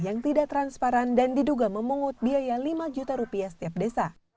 yang tidak transparan dan diduga memungut biaya lima juta rupiah setiap desa